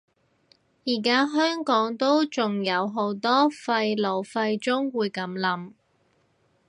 而家香港都仲有好多廢老廢中會噉諗